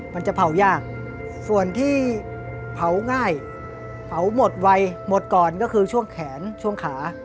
มันจะเผายากส่วนที่เผาง่ายเผาหมดไวหมดก่อนก็คือช่วงแขนช่วงขา